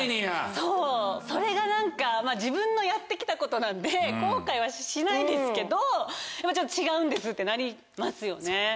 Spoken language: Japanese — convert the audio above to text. そうそれが何か自分のやって来たことなんで後悔はしないですけど違うんですってなりますよね。